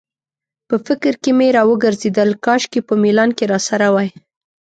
په فکر کې مې راوګرځېدل، کاشکې په میلان کې راسره وای.